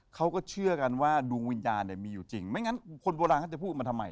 เขาก็เชื่อกันว่าดวงวิญญาณเนี่ยมีอยู่จริงไม่งั้นคนโบราณเขาจะพูดมาทำไม